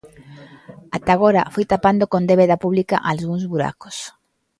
Ata agora foi tapando con débeda pública algúns buracos.